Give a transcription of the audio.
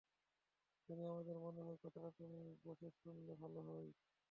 Johnny, আমার মনে হয়, কথাটা তুমি বসে শুনলে ভালো হয়।